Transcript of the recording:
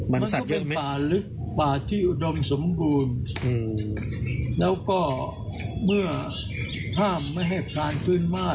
มันสัตว์เป็นป่าลึกป่าที่อุดมสมบูรณ์แล้วก็เมื่อห้ามไม่ให้พลานพื้นบ้าน